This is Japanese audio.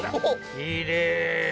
きれい。